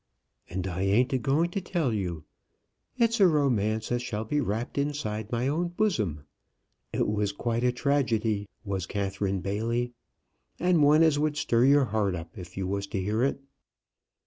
"And I ain't a going to tell you. It's a romance as shall be wrapped inside my own bosom. It was quite a tragedy, was Catherine Bailey; and one as would stir your heart up if you was to hear it.